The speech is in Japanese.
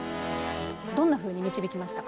どんなふうに導きましたか？